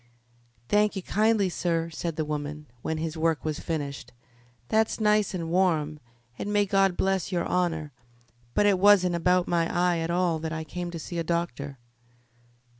"Thank ye kindly, sir," said the woman, when his work was finished; "that's nice and warm, and may God bless your honour. But it wasn't about my eye at all that I came to see a doctor."